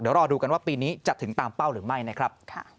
เดี๋ยวรอดูกันว่าปีนี้จะถึงตามเป้าหรือไม่นะครับ